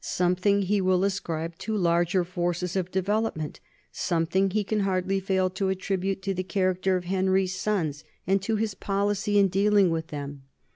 Something he will ascribe to larger forces of development, something he can hardly fail to attribute to the character of Henry's sons and to his policy in dealing with them.